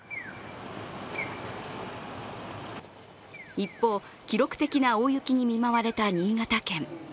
一方、記録的な大雪に見舞われた新潟県。